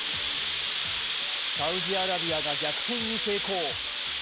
サウジアラビアが逆転に成功。